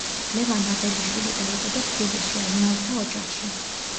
ლევან აბელიშვილი დაიბადა თბილისში, აზნაურთა ოჯახში.